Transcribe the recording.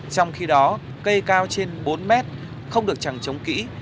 trong khi đó cây cao trên bốn m không được trằng trống kỹ